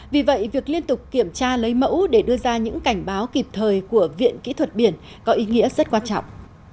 vì vậy việc liên tục kiểm tra lấy mẫu để đưa ra những cảnh báo kịp thời của viện kỹ thuật biển có ý nghĩa rất quan trọng